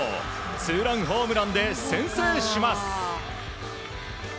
ツーランホームランで先制します。